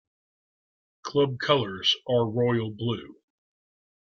Club colours are royal blue.